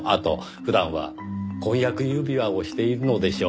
普段は婚約指輪をしているのでしょう。